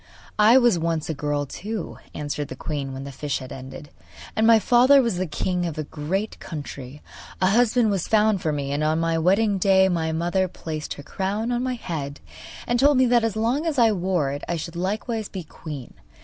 'I was once a girl too,' answered the queen, when the fish had ended; 'and my father was the king of a great country. A husband was found for me, and on my wedding day my mother placed her crown on my head and told me that as long as I wore it I should likewise be queen.